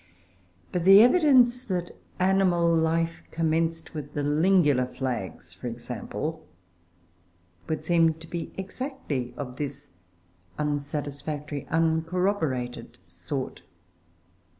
But the evidence that animal life commenced with the Lingula flags, e.g., would seem to be exactly of this unsatisfactory uncorroborated sort.